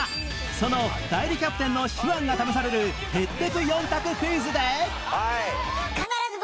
その代理キャプテンの手腕が試されるへってく４択クイズで